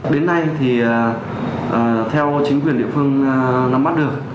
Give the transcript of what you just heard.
đến nay thì theo chính quyền địa phương nó mắt được